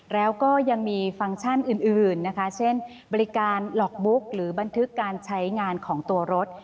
แล้วก็ยังมีฟังก์ชั่นอื่นนะคะเช่นบริการหลอกบุ๊กหรือบันทึกการใช้งานของตัวรถ